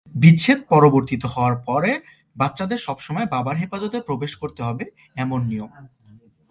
বিচ্ছেদ পরিবর্তিত হওয়ার পরে বাচ্চাদের সবসময় বাবার হেফাজতে প্রবেশ করতে হবে এমন নিয়ম।